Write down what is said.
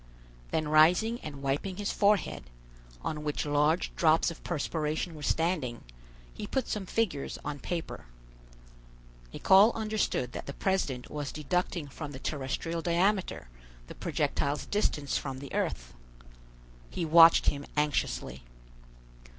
Then rising and wiping his forehead, on which large drops of perspiration were standing, he put some figures on paper. Nicholl understood that the president was deducting from the terrestrial diameter the projectile's distance from the earth. He watched him anxiously.